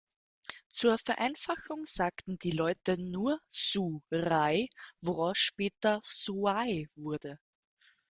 Zur Vereinfachung sagten die Leute nur „Su Rai“, woraus später „Suai“ wurde.